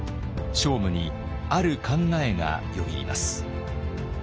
聖武にある考えがよぎります。